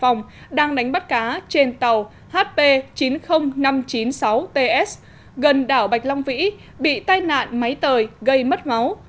hải phòng đang đánh bắt cá trên tàu hp chín mươi nghìn năm trăm chín mươi sáu ts gần đảo bạch long vĩ bị tai nạn máy tời gây mất máu